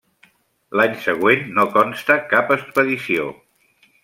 L'any següent no consta cap expedició.